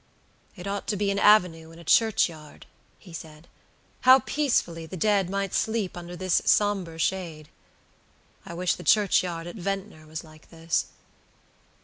"It ought to be an avenue in a churchyard," he said. "How peacefully the dead might sleep under this somber shade! I wish the churchyard at Ventnor was like this."